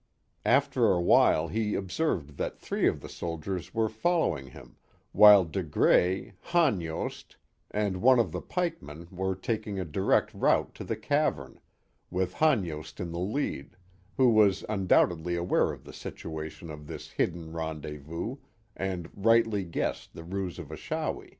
After a while he observed that three of the soldiers were following him, while De Grais, Hanyost, and one of the Count Frontenac and the Mohawk Valley 1 1 1 pikemen were taking a direct route to the cavern, with Han yost in the lead, who was undoubtedly aware of the situation of this hidden rendezvous, and rightly guessed the ruse of Achawi.